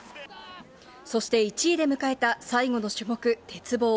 そして１位で迎えた最後の種目、鉄棒。